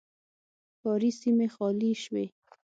ښاري سیمې خالي شوې.